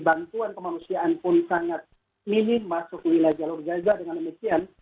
bantuan kemanusiaan pun sangat minim masuk ke wilayah jalur gaza dengan demikian